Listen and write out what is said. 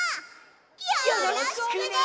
よろしくね！